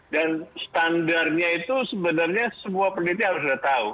dan standarnya itu sebenarnya semua pendidik harus tahu